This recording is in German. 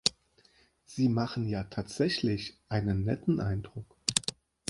Sie machen ja tatsächlich einen netten Eindruck.